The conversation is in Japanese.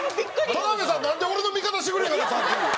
田辺さんなんで俺の味方してくれへんかったの？